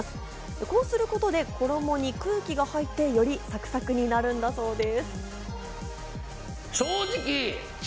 こうすることで衣に空気が入って、よりサクサクになるそうです。